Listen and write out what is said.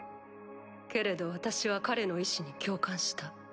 けれど私は彼の意思に共感した。